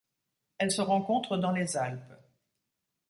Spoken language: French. Elle se rencontre dans les Alpes.